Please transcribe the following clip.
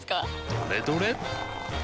どれどれっ！